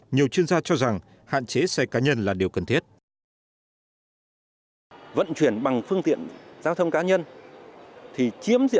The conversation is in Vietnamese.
nhiều chuyên gia cho rằng hạn chế xe cá nhân là điều cần thiết